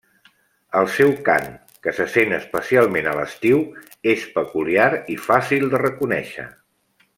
El seu cant, que se sent especialment a l'estiu, és peculiar i fàcil de reconèixer.